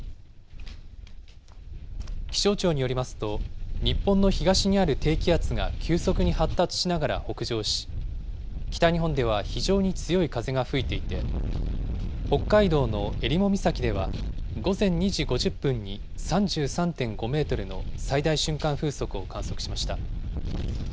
気象庁によりますと、日本の東にある低気圧が急速に発達しながら北上し、北日本では非常に強い風が吹いていて、北海道のえりも岬では午前２時５０分に３３．５メートルの最大瞬間風速を観測しました。